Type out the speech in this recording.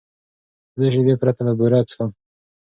زه شیدې پرته له بوره څښم.